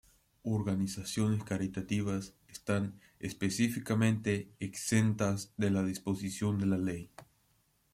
Organizaciones caritativas están específicamente exentas de la disposición de la ley.